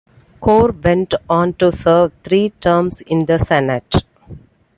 Gore went on to serve three terms in the Senate.